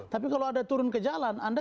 tapi kalau anda turun ke jalan anda